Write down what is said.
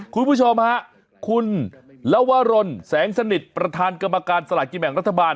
คุณผู้ชมฮะคุณลวรนแสงสนิทประธานกรรมการสลากินแบ่งรัฐบาล